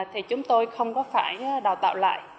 thì chúng tôi không có phải đào tạo lại